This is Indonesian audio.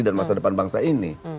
dan masa depan bangsa ini